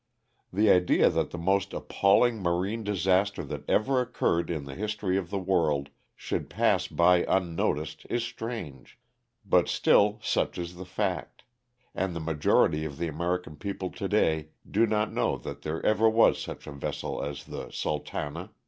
The idea that the most appalling marine disaster that ever occurred in the history of the world should pass by unnoticed is strange, but still such is the fact, and the majority of the American people today do not know that there ever was such a . vessel as the ^' Sultana.